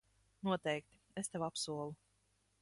Noteikti, es tev apsolu.